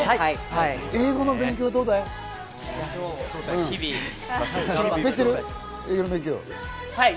英語の勉強はどうだい？